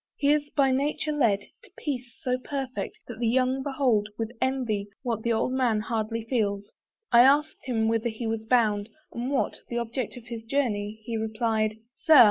He is by nature led To peace so perfect, that the young behold With envy, what the old man hardly feels. I asked him whither he was bound, and what The object of his journey; he replied "Sir!